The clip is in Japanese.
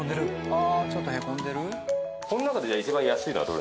ああちょっとヘこんでる？